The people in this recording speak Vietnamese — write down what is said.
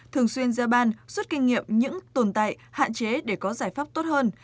thường xuyên ra ban rút kinh nghiệm những tồn tại hạn chế để có giải pháp tốt hơn